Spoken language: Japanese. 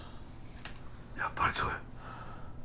やっぱりそうや。